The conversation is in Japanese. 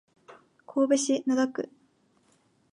神戸市灘区